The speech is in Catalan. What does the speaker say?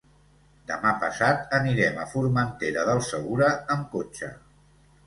Demà passat anirem a Formentera del Segura amb cotxe.